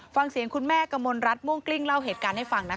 ฟังเสียงคุณแม่กมลรัฐม่วงกลิ้งเล่าเหตุการณ์ให้ฟังนะคะ